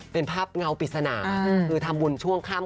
เป็นภาพเงาปริศนาคือทำบุญช่วงค่ำ